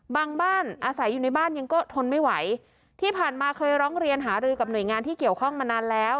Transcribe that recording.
บ้านอาศัยอยู่ในบ้านยังก็ทนไม่ไหวที่ผ่านมาเคยร้องเรียนหารือกับหน่วยงานที่เกี่ยวข้องมานานแล้ว